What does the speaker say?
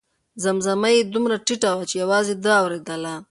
زمزمه یې دومره ټیټه وه چې یوازې ده اورېدله.